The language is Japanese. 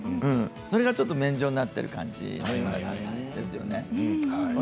それがちょっと麺状になっている感じですよね。